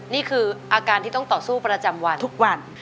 นี่คืออาการที่ต้องต่อสู้ประจำวันทุกวัน